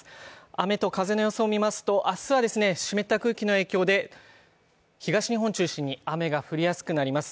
雨と風の予想を見ますと、明日は湿った空気の影響で東日本を中心に雨が降りやすくなります。